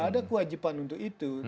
ada kewajiban untuk itu